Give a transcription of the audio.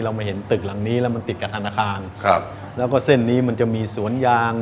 มาเห็นตึกหลังนี้แล้วมันติดกับธนาคารครับแล้วก็เส้นนี้มันจะมีสวนยาง